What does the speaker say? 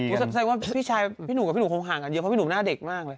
หนูสนใจว่าพี่ชายพี่หนูกับพี่หนูคงห่างกันเยอะเพราะพี่หนูหน้าเด็กมากเลย